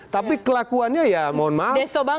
tapi kelakuannya ya mohon maaf